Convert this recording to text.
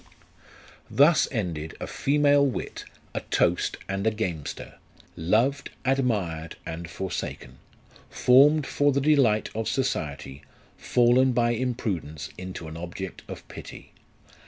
Thus ended a female wit, a toast, and a gamester ; loved, admired, and forsaken : formed for the delight of society, fallen by imprudence into an object of pity.